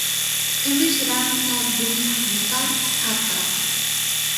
كۈمۈش رەڭ سەل يۇمشاق مېتال، پارقىراق.